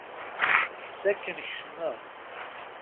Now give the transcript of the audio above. S akken kecmeɣ.